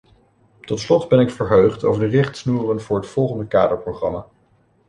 Tot slot ben ik verheugd over de richtsnoeren voor het volgende kaderprogramma.